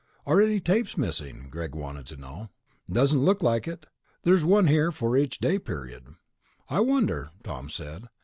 "Are any tapes missing?" Greg wanted to know. "Doesn't look like it. There's one here for each day period." "I wonder," Tom said.